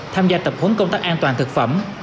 tham gia tập huấn công tác an toàn thực phẩm